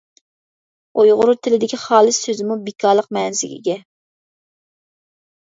ئۇيغۇر تىلىدىكى «خالىس» سۆزىمۇ «بىكارلىق» مەنىسىگە ئىگە.